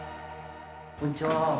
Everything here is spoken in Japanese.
こんにちは。